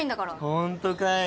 ホントかよ。